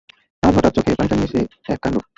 আজ হঠাৎ চোখে পানিটানি এসে এক কাণ্ড।